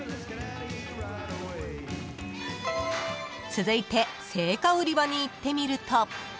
［続いて青果売り場に行ってみると］